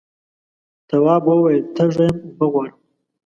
تواب وویل تږی یم اوبه غواړم.